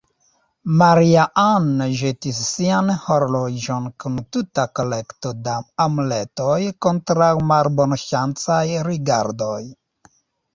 Maria-Ann ĵetis sian horloĝon, kun tuta kolekto da amuletoj kontraŭ malbonŝancaj rigardoj.